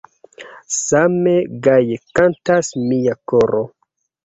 Same gaje kantas mia koro!